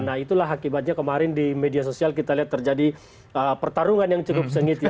nah itulah akibatnya kemarin di media sosial kita lihat terjadi pertarungan yang cukup sengit